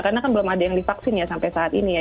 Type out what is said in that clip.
karena kan belum ada yang divaksin ya sampai saat ini ya